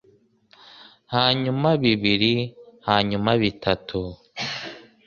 hanyuma bibiri hanyuma bitatu